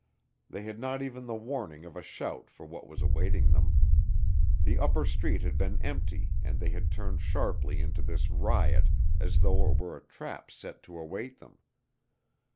They had not even the warning of a shout for what was awaiting them. The upper street had been empty and they had turned sharply into this riot as though it were a trap set to await them.